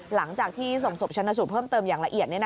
หลังจากที่ส่งศพชนะสูตรเพิ่มเติมอย่างละเอียด